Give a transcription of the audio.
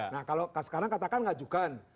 nah kalau sekarang katakan ngajukan